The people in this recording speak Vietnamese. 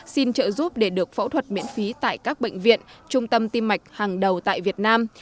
xin trợ giúp để được phẫu thuật miễn phí tại các bệnh viện trung tâm tim mạch hàng đầu tại việt nam